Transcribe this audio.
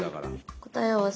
答え合わせ？